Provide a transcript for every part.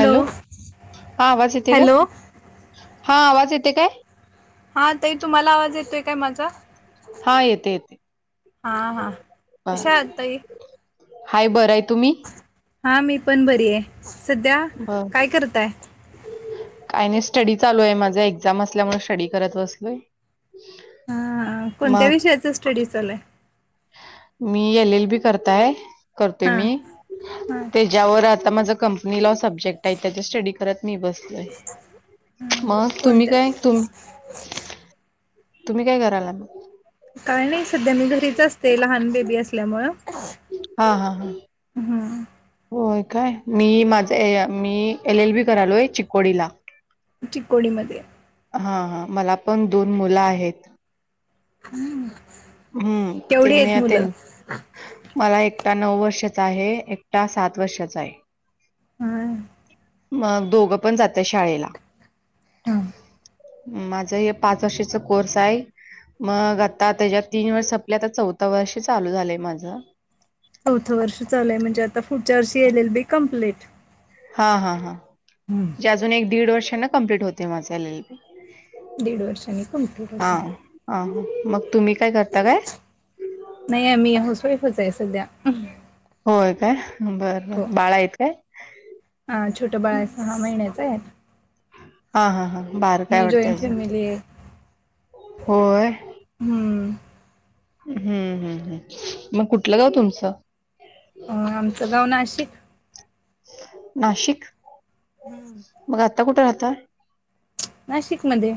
Hello, हा आवाज येते काय? हॅलो हा आवाज येते काय? हा ताई, तुम्हाला आवाज येतोय काय माझा? हा येते येते हा हा. कशा आहात ताई? हाय बर हाय, तुम्ही? हा मीपण बरी हाय. सध्या बर काय करताय? काय नाही स्टडी चालू हाय माझा. एक्झाम असल्यामुळे स्टडी करत बसलोय. हा कोणत्या मग विषयाचा स्टडी चालू हाय? मी एल एल बी करत हाय करतोय हा मी. हा तेच्यावर आता माझ कंपनी लॉ सब्जेक्ट हाय, त्याचा स्टडी करत मी बस मग तुम्ही कोणत्या काय? तुम् तुम्ही काय करायलात? काय नाही सध्या मी घरीच असते. लहान बेबी असल्यामुळ. हा हा. हम्. होय काय मी माझे य मी एल एल बी करलोय चिकोडीला. चिकोडीमध्ये. हा हा मला पण दोन मुलं आहेत. हम्. हम्म, तेनी या तेन मला एकटा नऊ वर्षाचा आहे एकटा सात वर्षाचा हाय. हा. म दोघं पण जातये शाळेला. माझं हे पाच वर्षाचा कोर्स आहे, मग आता त्याज्यात तीन वर्ष सपली आता चौथ वर्ष चालू झालंय माझं. चौथं वर्ष चालूय म्हणजे आता पुढच्या वर्षी एल एल बी कम्प्लीट. हा हा हा. हम्. जे अजून एक दीड वर्षांन कम्प्लीट होते माझ एल एल बी. दीड वर्षांनी कमप्लीट होतं. हा मग तुम्ही काय जाता काय? नाही आम्ही हाउसवाइफच आहे सध्या. होय काय बर बर बाळा आहेत काय? महिन्याच हाय. हा हा हा बारक हाय वाटत जॉईंट अजून, फॅमिली आहे होय. हम्म. हम्म हम्म हम्म मग कुठलं गाव तुमचं? अ आमचं गाव नाशिक. नाशिक. हम्म. मग आत्ता कुठ राहताय? नाशिक मध्ये.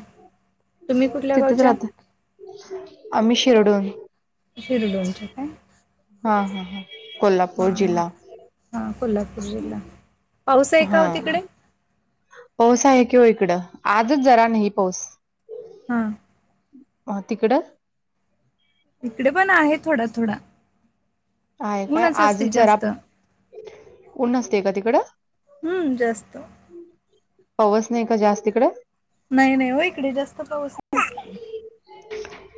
तिथच राहतोय, आम्ही शिरडोन. शिरडोनच काय? हा हा हा. कोल्हापूर हां हां जिल्हा, हां कोल्हापूर जिल्हा. पाऊस आहे का हा. हो तिकडे? पाऊस आहे किं ओ इकडं, आजच जरा नाही पाऊस. हा. मा तिकडं? इकडे पण आहे थोडा थोडा. आहे काय ऊनच असते आजच जरा, जास्त. ऊन असतय का तिकड? हम्म जास्त. पवस नाही का जास्त तीकड? नाही नाही ओ इकडे जास्त पाऊस नाही.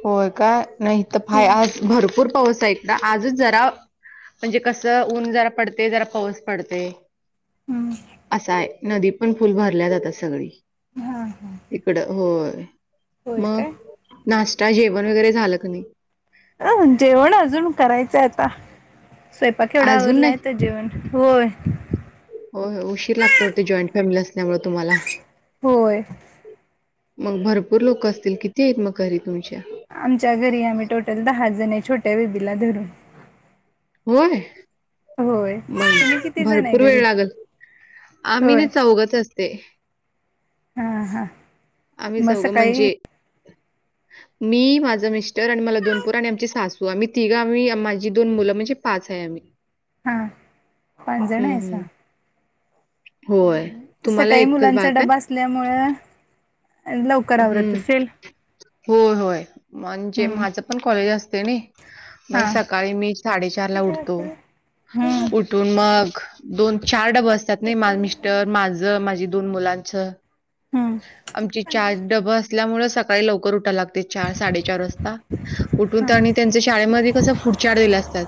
होय काय नाही हित हो फाय आज भर पूर पाऊस हाय खर आजच जरा म्हणजे कसं ऊन जरा पडतय जरा पाऊस पडतये. हम्म अस हाय नदी पण फुल भरल्यात आता सगळी. हां हां इकडं होय. होय काय? मग, नाश्ता जेवण वगैरे झालं की नाही? अ जेवण अजून करायचय आता, स्वयंपाक एवढा अजून आवरलाय, नाही तर जेवण- होय. हो, उशीर लागतो ते जॉईंट फॅमिली असल्यामुळे तुम्हाला. होय. मग भरपूर लोक असतील? किती आहेत, मग घरी तुमच्या? आमच्या घरी आम्ही टोटल दहा जणी आहे, छोट्या बेबीला धरून. होय. होय मग तुम्ही किती जण आहे भरपूर घरी? वेळ लागल? आम्ही होय नाही, चौघच असते. हा, हा. आम्ही चौघं म्हणजे- मी, माझं मिस्टर आणि मला दोन पोर आणि आमची सासू आम्ही तिघं आ् माझी दोन मुलं म्हणजे, पाच आहे आम्ही. [inaudible] हा. पाच जण हं, हं. आहेसा? होय. तुम्हाला सकाळी एकच बाळ मुलांचा काय? डबा अस- असल्यामुळ- हम्म, होय, होय, म्हणजे हम्म माझं पण कॉलेज असतय नाही. मग हां सकाळी मी साडेचारला उठतो. हम्म तून मग, दोन, चार डबं असत्यात नाही, मा मिस्टर, माझं, माझी दोन मुलांचं. हं. आमची चार डबं असल्यामुळे, सकाळी लवकर उठायला लागतय. चार, साडेचार वाजता. उठून हां त्यांनी त्यांच शाळेमध्ये कस फुडचार्ट दिला असतात.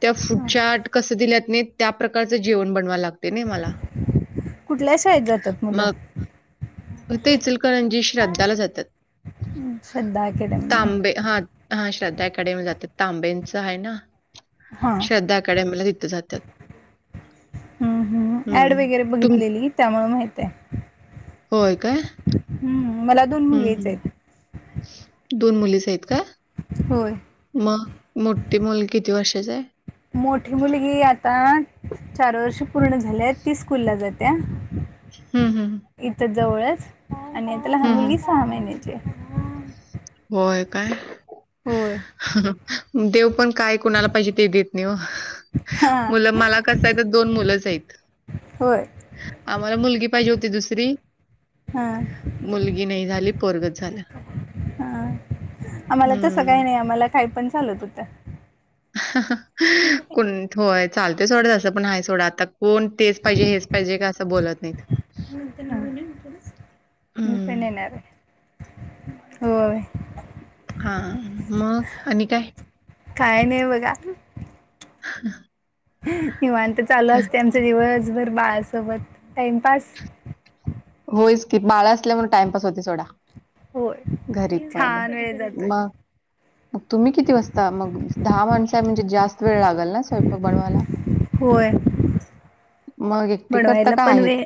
त्या हां फूडचार्ट कस दिल्यात नाही, त्या प्रकारचं जेवण बनवाव लागते नाही मला. कुठल्या शाळेत जातात मुलं? मग ते इचलकरंजी श्रद्धाला जात्यात. श्रद्धा अकॅडमी तांबे हा- हा, श्रद्धा अकॅडमी जातात. तांब्यांंच आहे ना, हां श्रद्धा अकॅडमीला तिथ जातात. हं, हं. ऍड वगैरे बघितलेली त्यामुळ माहित्या. होय काय? हम्म, मला दोन मुलीच आहेत. दोन मुलीच आहेत काय? होय मग मोठी मुल किती वर्षाची आहे? मोठी मुलगी आता, चार वर्ष पूर्ण झाल्यात, ती स्कूलला जात्या. हं, हं. इथं जवळच आणि आता लहान हं, हं. मुलगी सहा महिन्याचीये. होय काय? होय. देव पण काय कोणाला पाहिजे ते देत नाही ओ, हा मुलं मला कस- [unintelligible] दोन मुलच हायत. होय. आम्हाला मुलगी पाहिजे होती दुसरी- हा मुलगी नाही झाली, पोरगच झालं. हा, आम्हाला तसं काही हम्म. नाही, आम्हाला काही पण चालत होतं. [unintelligible] कोण होय चालतय सोडं तसं पण, आहे सोडं आता. कोण तेच पाहिजे, हेच पाहिजे का, असं बोलत नाहीत. [unintelligible] मी हम्म. पण येणारये, हो. हा मग, आणि काय? काय नाई बघा. [inaudible] निवांत चालू असतय आमचे दिवसभर बाळसोबत, टाइमपास. होयच की बाळा असल्या वर टाइमपास होतय सोडा. घरी होय पण, छान वेळ जातोय म. मग तुम्ही किती वाजता मग दहा माणस हाय म्हणजे जास्त वेळ लागल ना स्व मग बनवायला, होय मग एक बनवायला पण वे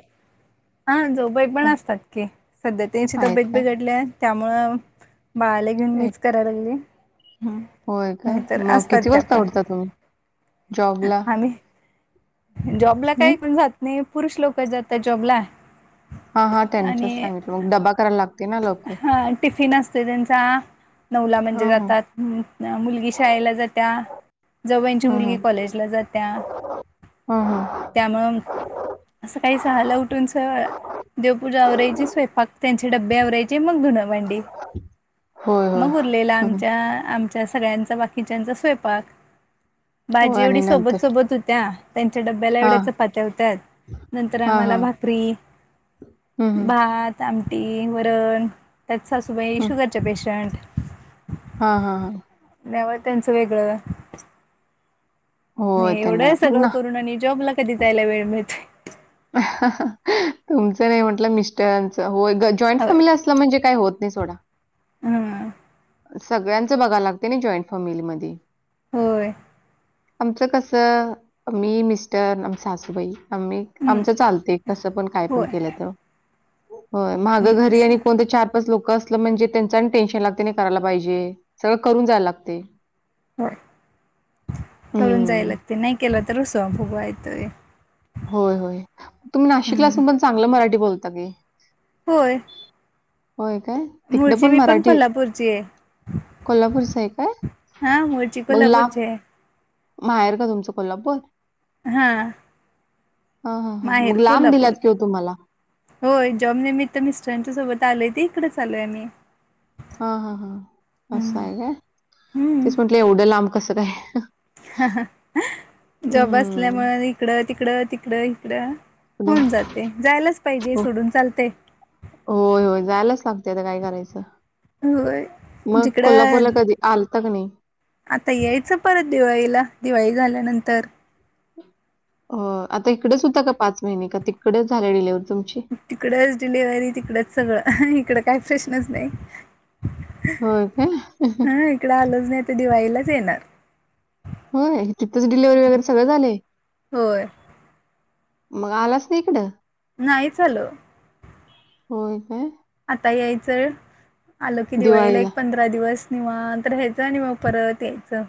हा जाऊबाई पण असतात की, सध्या त्यांची आहेत तब्येत काय? बीघडल्या त्यामुळ, बाळा घेवून एक मीच कराय लागले. होय काय मग किती वाजता उठता तुम्ही, जॉब ला? आम्ही जॉबला काय पण जात नाही पुरुष लोक जातात जॉबला. हा हा त्यांच आणि सांगितलो डबा कराय लाग हा टिफिन असतय त्यांचा, नऊला म्हणजे हं, हं. जातात. हम्म ना मुलगी शाळेला जात्या. जाऊबाईची हं, मुलगी हं. कॉलेजला जात्या, हं, हं. त्यामुळं असं काही सहाला उठूनच, देवपूजा आवरायची स्वयंपाक त्यांचे डबबे बे आवरायचे मग धुनं भांडी, होय, होय. मग उरलेला हं. आमच्या आम सगळ्यांचा बाकीच्याचा स्वयंपाक, हो भाजी आणि एवढी नंतर सोबत सोबत होत्या. त्यांच्या डब्याला एवढ्या हां, चपात्या होत्यात, नंतर हां, आम्हाला हां. भाकरी. हं, हं. भात, आमटी, वरण, त्यात सासूबाई शुगरच्या पेशंट. हा हा हा. नव त्यांचं वेगळं. म होय त्यांना एवढं मग सगळं ना करून आणि जॉबला कधी जायला वेळ मिळतोय. तुमचं नाही म्हटलं मिस्टरच हो जॉईंट होय फॅमिली अस म्हणजे काही होत नाही सोडा. हां. सगळ्यांचं बघा लागत नाइ जॉईंट फॅमिलीमध्ये. होय. आमचं कसं, मी मिस्टर आमची सासूबाई आम्ही हं आमच चालत कस पण काय पण होय केलं तर, हो मागं घरी आणि कोणत चार पाच लोक असलं म्हणजे त्यांचा टेन्शन लागतय नाही करायला पाहिजे, सगळं करून जाय लागतय. हो, करून जाय हं. लागतय नाही केलं तर रुसवा फुगवा येतोय. होय होय, तुम्ही नाशिकला हं असून पण चांगलं मराठी बोलता की? होय. होय काय तिकड मूळची पण मी मराठी, कोल्हापूरची आहे कोल्हापूरच हाय काय? हा मूळची मग लांब कोल्हापूरची हाय. माहेर का तुमच कोल्हापूर? हा हा हा हा माहेर मग लांब कोल्हापूर दिल्यात कि ओ तुम्हाला? होय जॉबनिमित्त मिस्टरांच्या सोबत आलोय ते इकडेच आलोय आम्ही. हा हा हा, असं हम्म आहे काय, तेच हम्म म्हटलं एवढं लांब कसं काय? जॉब हं. असल्यामुळ इकडं तिकडं तिकडं इकडं पुढे होऊन जातय जायलाच पाहिजे हो. सोडून चालतय. होय होय जायलाच लागतय त काय करायचं. होय मग जिकडं कोल्हापूरला कधी आलता क नाही. आता यायचं परत दिवाळीला दिवाळी झाल्यानंतर हो आता इकडेच होता का पाच महिने का तिकडेच झाले डिलेवरं तुमची तिकडच डिलिव्हरी तिकडच सगळं इकड काय प्रश्नच नाय. हो काय तिकड आलज नाय ते दिवाळीलाच येणार होय तितच डिलेवारी वगैरे सगळं झालंय. होय. मग आलाच नाय इकडं नाईच आलो. होय काय आता यायचं आलो की दिवाळीला एक पंध रा दिवस निवांत राहायचं आणि मग परत यायचं.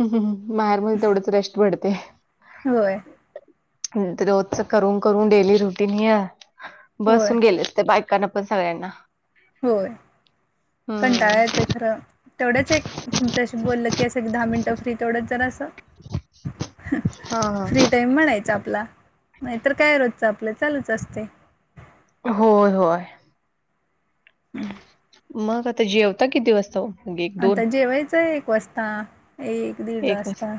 माहेरमध्ये तेवढच रेस्ट पडते. होय हं ते रोजच करून करून डेली रुटीन हय होय बसून गेले त्या बायकांना पण सगळ्यांना होय हं. कंटाळा येतोय खरं, तेवढच एक तुमच्याशी बोललं की अस एक दहा मिनिटं फ्री तेवढच जरास हां, हां. फ्री टाईम म्हणायच आपला नायतर काय रोजच आपलं चालूच असतय. होय होय. हम्म मग आता जेवता किती वाजता ओ मग आता जेवायचं एक वाजता, एक दीड वाजता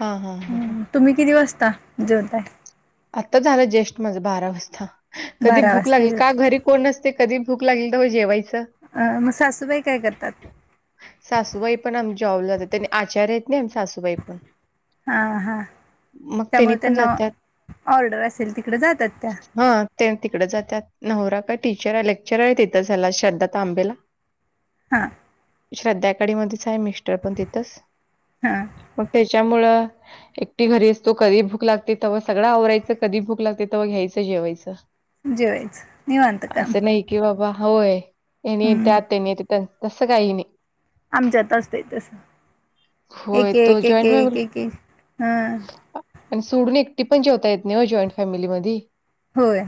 हा हा हा हा हम्म, तुम्ही किती वाजता जेवताय? आता झालं जेष्ठ माझ बारा वाजता कधी बारा भूक वाजता लागली का जेवताय घरी कोण नसते. कधी भूक लागली तवा जेवायचं अ म सासूबाई काय करतात? सासूबाई पण आम जावला जातात त्यांनी आचारी आहेत ना आम सासू बाई पण हा हा मग त्यानी त्यामुळे पण त्यांना जात्यात. ऑर्डर असेल तिकड जातात त्या हं त्या तिकड जात्यात नवरा काय टीचर हाय लेक्चर हाय तिथं ह्याला श्रद्धा तांबेला [inaudible] हा श्रद्ध्याकाडी मध्येच हाय मिस्टर पण तिथंच हा मग त्याच्यामुळ एकटी घरी असतो कधी भूक लागते तव सगळं आवरायचं कधी भूक लागते तवा घ्यायचं जेवायचं. जेवायच निवांत काम असं नाही की बाबा होय यानी येत्या हम्म आत्यानी येता त तसं काही नाही. आमच्यात असतय तस होय, एक तो एक एक जॉईंट एक फॅमिली एक एक हं आणि सोडून एकटी पण जेवता येत नाहीे ओ जॉईंट फॅमिली मधी होय.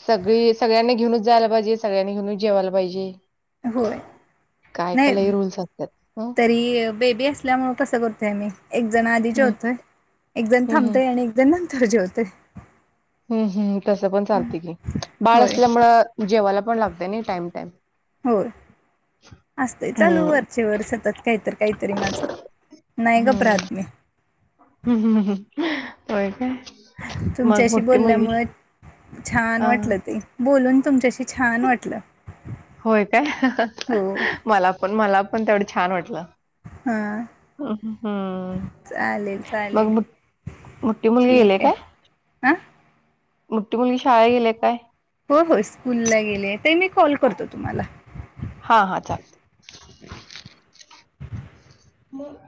सगळी सगळ्यांनी घेऊनच जायला पाहिजे सगळ्यांनी घेऊनच जेवायला पाहिजे. होय नाही काय-काय लई रूल्स असतात. हं, तरी बेबी असल्यामुळे तस करतोय आम्ही एक जण आधी हं, जेवतोय एक जण हं, हं, थांबतोय आणि एक जण नंतर जेवत होतोय. हम्म, हम्म तस पण चालते की बाळ होय असल्यामुळं जेवायला पण लागतय नाही टाईम, टाईम हो. असतय चालू हं, वरचे वर सतत काहीतर, काहीतरी माझं नाही गप रहात मी. हम्म, हम्म हो काय. मग तुमच्याशी मोठी मुलगी बोलल्यामुळे छान हां. वाटलं ते. बोलून तुमच्याशी छान वाटलं. होय काय हो मला पण मला पण तेवढं छान वाटलं. हां हम्म, हम्म चालेल चालेल मग बघ मोठी मुलगी गेलीये काय? हं... मोठी मुलगी शाळे गेलीये काय? हो हो स्कूलला गेले ते मी कॉल करतो तुम्हाला. हा हा चालेल. म